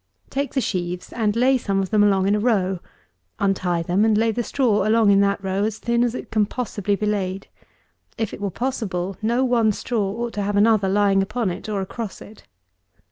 Take the sheaves, and lay some of them along in a row; untie them, and lay the straw along in that row as thin as it can possibly be laid. If it were possible, no one straw ought to have another lying upon it, or across it.